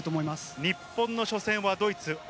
日本の初戦はドイツ。